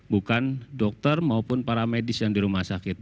bukan dokter maupun para medis yang di rumah sakit